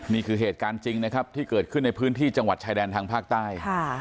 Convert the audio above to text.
นี่คือเหตุการณ์จริงนะครับที่เกิดขึ้นในพื้นที่จังหวัดชายแดนทางภาคใต้